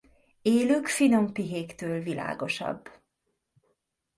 Élük finom pihéktől világosabb.